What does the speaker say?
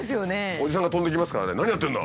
おじさんが飛んできますからね何やってんだ！